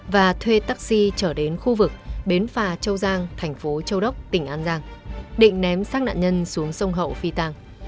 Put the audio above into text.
và thuê taxi trở đến khu vực bến phà châu giang thành phố châu đốc tỉnh an giang định ném sát nạn nhân xuống sông hậu phi tàng